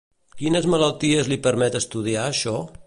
Quines malalties li permet estudiar això?